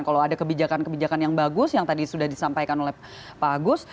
kalau ada kebijakan kebijakan yang bagus yang tadi sudah disampaikan oleh pak agus